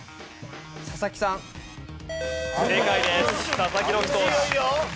佐々木朗希投手。